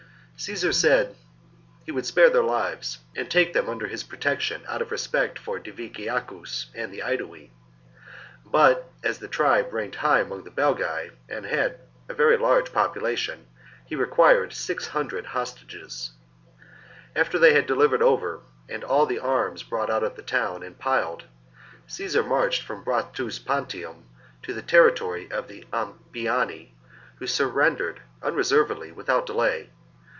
15. Caesar said that he would spare their lives and take them under his protection out of respect for Diviciacus and the Aedui ; but, as the tribe ranked high among the Belgae and had a 62 THE FIRST CAMPAIGN BOOK 57 B.C. and of the AmbianL very large population, he required six hundred hostages. After they had been delivered over and all the arms brought out of the town and piled, Caesar marched from Bratuspantium to the territory of the Ambiani, who surrendered unreservedly without delay.